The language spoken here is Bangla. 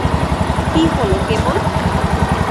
কী হলো কেবল?